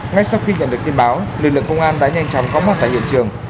nhận được tin báo lực lượng công an đã nhanh chóng có mặt tại hiện trường